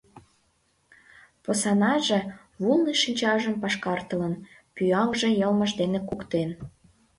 Посанаже, вулно шинчажым пашкартылын, пуаҥше йылмыж дене куктен: